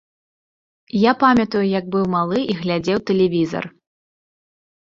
Я памятаю, як быў малы і глядзеў тэлевізар.